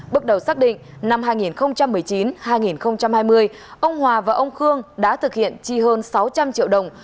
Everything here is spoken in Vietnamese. bước đầu xác định năm hai nghìn một mươi chín hai nghìn hai mươi ông hòa và ông khương đã thực hiện chi hơn sáu trăm linh triệu đồng